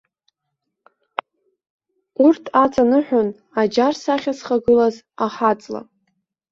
Урҭ аҵаныҳәон аџьар сахьа зхагылаз аҳаҵла.